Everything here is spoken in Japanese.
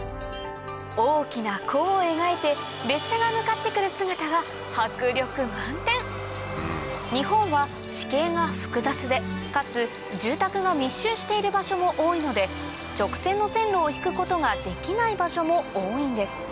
大きな弧を描いて列車が向かって来る姿は迫力満点日本は地形が複雑でかつ住宅が密集している場所も多いので直線の線路を引くことができない場所も多いんです